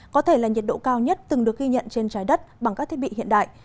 có thể là nhiệt độ cao nhất từng được ghi nhận trên trái đất bằng các thiết bị hiện đại